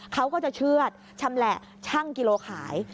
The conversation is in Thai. เขาก็จะเชื่อดชำแหละช่างกิโลขาย